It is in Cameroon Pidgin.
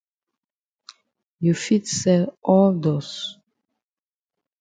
You fit sell all dust.